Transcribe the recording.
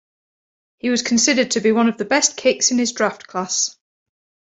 He was considered to be one of the best kicks in his draft class.